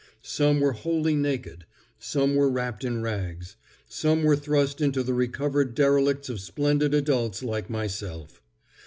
Some were wholly naked; some were wrapped in rags; some were thrust into the recovered derelicts of splendid adults like myself.